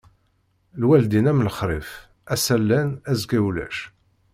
Lwaldin am lexrif, ass-a llan, azekka ulac.